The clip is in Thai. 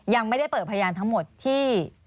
ยังไม่ได้เปิดพยานทั้งหมดที่